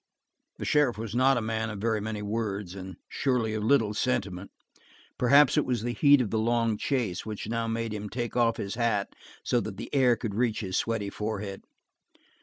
The sheriff was not a man of very many words, and surely of little sentiment; perhaps it was the heat of the long chase which now made him take off his hat so that the air could reach his sweaty forehead.